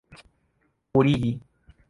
purigi